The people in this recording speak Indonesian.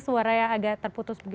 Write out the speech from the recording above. suaranya agak terputus